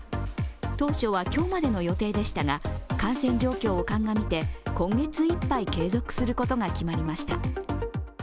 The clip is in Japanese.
当初は今日までの予定でしたが感染状況を鑑みて今月いっぱい継続することが決まりました。